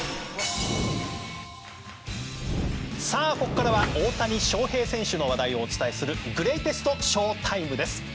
ここからは大谷翔平選手の話題をお伝えするグレイテストＳＨＯ‐ＴＩＭＥです。